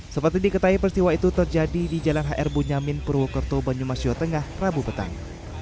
seperti diketahui persiwa itu terjadi di jalan hr bunyamin purwokerto banjumasyo tengah rabu petang